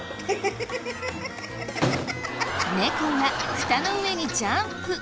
猫がフタの上にジャンプ。